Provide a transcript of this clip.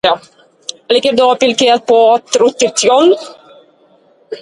Liker du å pilke på Trytetjønn?